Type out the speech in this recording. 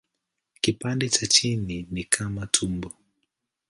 Kipande cha chini ni kama tumbo.